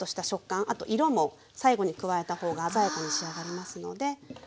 あと色も最後に加えた方が鮮やかに仕上がりますので。